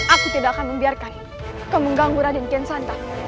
aku tidak akan membiarkanmu mengganggu raden kinshanta